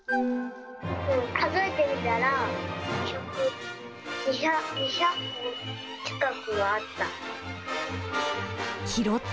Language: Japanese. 数えてみたら、２００個近くあった。